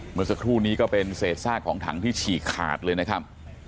เมื่อสักครู่นี้ก็เป็นเศษซากของถังที่ฉีกขาดเลยนะครับ